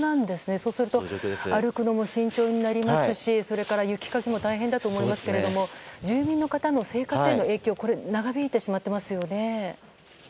そうすると歩くのも慎重になりますし、それから雪かきも大変だと思いますけれど住民の方の生活への影響が長引いてしまっていますよね。